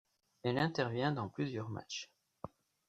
Elle intervient dans plusieurs matches.